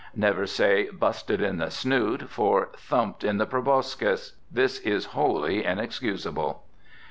Never say, "busted in the snoot" for "thumped in the proboscis." This is wholly inexcusable.